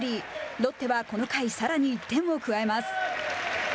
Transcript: ロッテはこの回さらに１点を加えます。